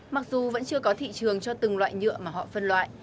mặc dù vẫn chưa có thị trường cho từng loại nhựa mà họ phân loại